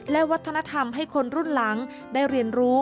และวัฒนธรรมให้คนรุ่นหลังได้เรียนรู้